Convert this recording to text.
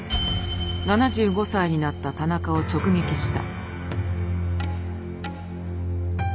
７５歳になった田中を直撃した。